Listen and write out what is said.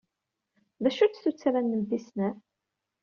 D acu-tt tuttra-nnem tis snat?